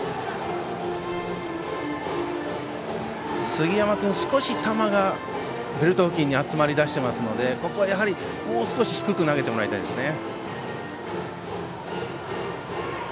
杉山君、少し球がベルト付近に集まりだしてるのでここはもう少し低く投げてもらいたいですね。